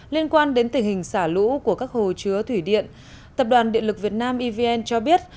liên quan đến tình hình xả lũ của các hồ chứa thủy điện tập đoàn điện lực việt nam evn cho biết